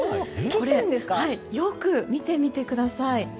これ、よく見てみてください。